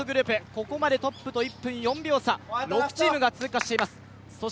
ここまでトップと１分４秒差、６チームが通過しています。